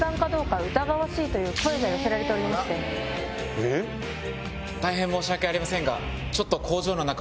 えっ？大変申し訳ありませんが。